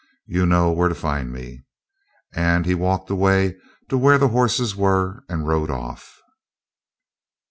You know where to find me.' And he walked away to where the horses were and rode off.